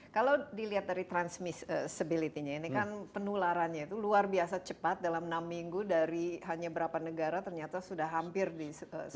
kalau dilihat dari transmissibility nya ini kan penularannya itu luar biasa cepat dalam enam minggu dari hanya berapa negara ternyata sudah hampir di semua